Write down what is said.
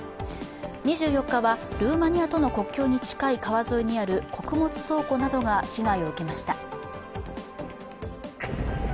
２４日はルーマニアとの国境に近い川沿いにある穀物倉庫などが被害を受けました。